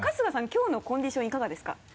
きょうのコンディションいかがですか？